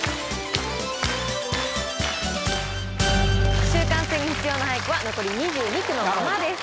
句集完成に必要な俳句は残り２２句のままです。